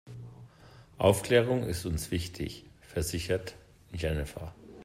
Aufklärung ist uns wichtig, versichert Jennifer.